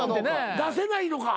出せないのか？